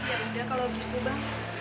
ya udah kalau gitu bang